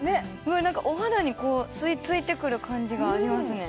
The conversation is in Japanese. うわなんかお肌にこう吸い付いてくる感じがありますね